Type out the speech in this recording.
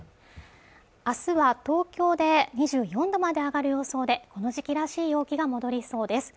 明日は東京で２４度まで上がる予想でこの時期らしい陽気が戻りそうです